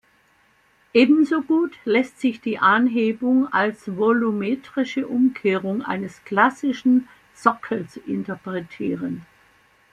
Ebenso gut lässt sich die Anhebung als volumetrische Umkehrung eines klassischen Sockels interpretieren.